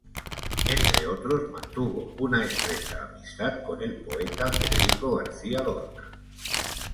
Entre otros, mantuvo una estrecha amistad con el poeta Federico García Lorca.